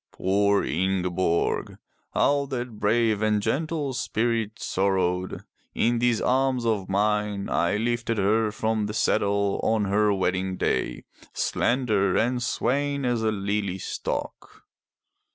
Poor Ingeborg! How that brave and gentle spirit sorrowed! In these arms of mine, I lifted her from the saddle on her wedding day, slender and swaying as a lily stalk.